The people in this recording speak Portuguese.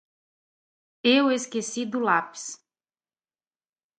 Eu esqueci do lápis.